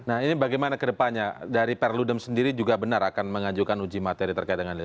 nah ini bagaimana ke depannya dari perludem sendiri juga benar akan mengajukan uji materi terkait dengan ini